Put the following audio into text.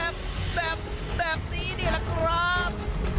แบบนี้นี่แหละครับ